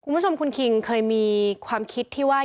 คุณผู้ชมคุณคิงเคยมีความคิดที่ว่า